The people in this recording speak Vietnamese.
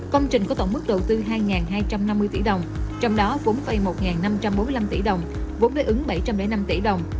công trình có tổng mức đầu tư hai hai trăm năm mươi tỷ đồng trong đó vốn vây một năm trăm bốn mươi năm tỷ đồng vốn đối ứng bảy trăm linh năm tỷ đồng